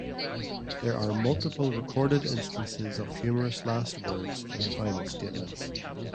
There are multiple recorded instances of humorous last words and final statements.